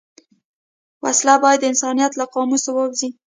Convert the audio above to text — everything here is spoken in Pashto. وسله باید د انسانیت له قاموسه ووځي